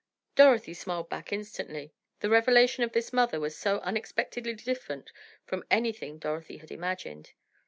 Dorothy smiled back instantly, the revelation of this mother was so unexpectedly different from anything Dorothy had imagined.